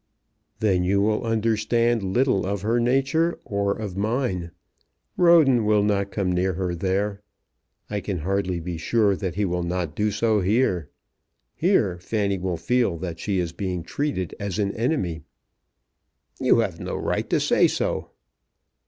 "Then you will understand little of her nature, or of mine. Roden will not come near her there. I can hardly be sure that he will not do so here. Here Fanny will feel that she is being treated as an enemy." "You have no right to say so."